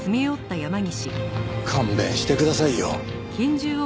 勘弁してくださいよ。